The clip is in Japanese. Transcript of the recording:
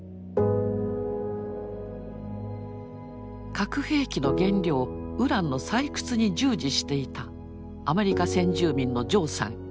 核兵器の原料ウランの採掘に従事していたアメリカ先住民のジョーさん。